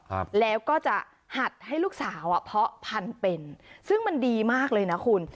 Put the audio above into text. ครับแล้วก็จะหัดให้ลูกสาวอ่ะเพาะพันธุ์เป็นซึ่งมันดีมากเลยนะคุณ